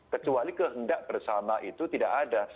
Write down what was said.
kecuali kehendak bersama itu tidak ada